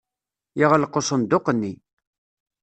Yeɣleq asenduq-nni.